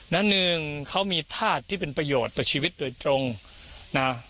และหนึ่งเขามีธาตุที่เป็นประโยชน์ต่อชีวิตโดยตรงนะ